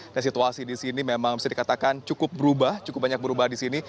dan situasi di sini memang bisa dikatakan cukup berubah cukup banyak berubah di sini